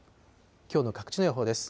きょうの各地の予報です。